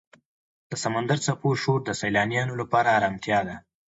د سمندر څپو شور د سیلانیانو لپاره آرامتیا ده.